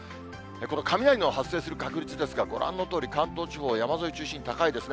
この雷の発生する確率ですが、ご覧のとおり関東地方、山沿いを中心に高いですね。